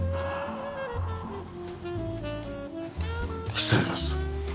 失礼します。